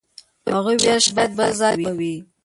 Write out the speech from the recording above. هغوی ویل شاید بل ځای به وئ.